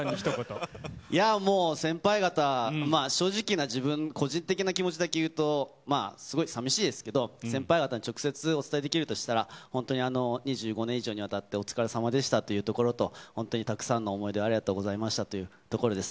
いや、もう先輩方、正直な個人的な気持ちだけ言うと、まあすごいさみしいですけど、先輩方に直接お伝えできるとしたら、本当に２５年以上にわたってお疲れさまでしたというところと、本当にたくさんの思い出をありがとうございましたというところです。